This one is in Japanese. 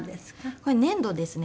これ粘土ですね。